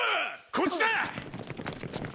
・こっちだ！